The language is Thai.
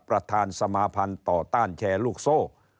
ประธานสมาพันธ์ต่อต้านแชร์ลูกโซ่